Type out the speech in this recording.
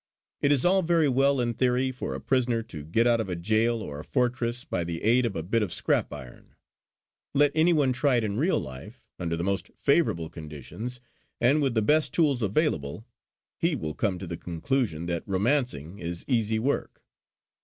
It is all very well in theory for a prisoner to get out of a jail or a fortress by the aid of a bit of scrap iron. Let any one try it in real life; under the most favourable conditions, and with the best tools available, he will come to the conclusion that romancing is easy work.